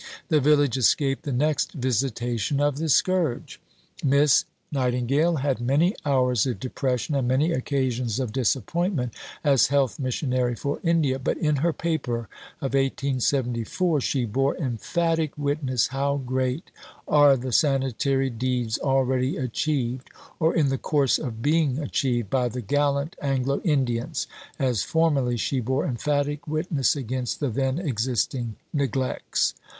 The village escaped the next visitation of the scourge. Miss Nightingale had many hours of depression, and many occasions of disappointment, as Health Missionary for India; but in her Paper of 1874 she bore "emphatic witness how great are the sanitary deeds already achieved, or in the course of being achieved, by the gallant Anglo Indians, as formerly she bore emphatic witness against the then existing neglects."